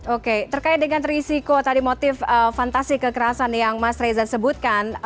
oke terkait dengan risiko tadi motif fantasi kekerasan yang mas reza sebutkan